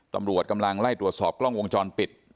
ตำรวจกำลังไล่ตรวจสอบกล้องวงจรปิด